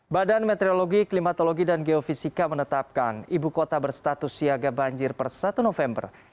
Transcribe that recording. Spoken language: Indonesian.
badan meteorologi klimatologi dan geofisika menetapkan ibu kota berstatus siaga banjir per satu november